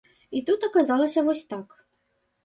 І тут аказалася вось так.